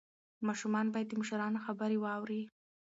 ماشومان باید د مشرانو خبرې واوري.